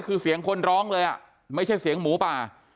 คือเสียงคนร้องเลยอ่ะไม่ใช่เสียงหมูป่า